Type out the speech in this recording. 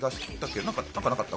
なんかなかった？